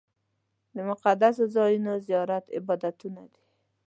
د مقدسو ځایونو د زیارت عبادتونه دي.